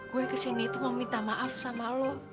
gue kesini tuh mau minta maaf sama lo